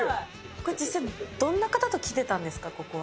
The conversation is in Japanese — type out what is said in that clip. これ実際、どんな方と来てたんですか、ここは。